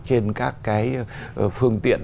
trên các cái phương tiện